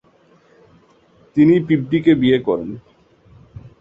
তিনি পিবডিকে বিয়ে করেন।